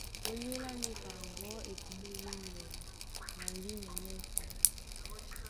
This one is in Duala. Ónyólá níka ŋgɔ̌ e kumó wúŋgea na ŋgínya nyɛ́sɛ̄.